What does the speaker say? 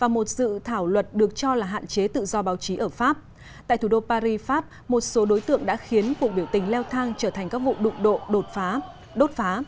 một số đối tượng đã khiến cuộc biểu tình leo thang trở thành các vụ đụng độ đốt phá